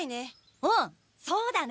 うんそうだね！